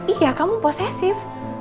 iya kamu posesif